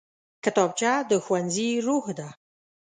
کتابچه د ښوونځي روح ده